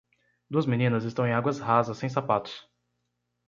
Duas meninas estão em águas rasas sem sapatos.